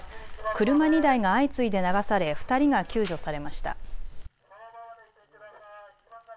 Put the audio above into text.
車２台が相次いで流され２人が救助されました。